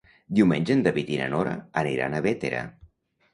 Diumenge en David i na Nora aniran a Bétera.